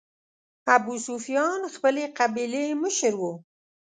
ابوسفیان خپلې قبیلې مشر و.